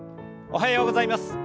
おはようございます。